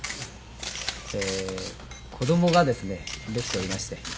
「子どもがですねできておりまして」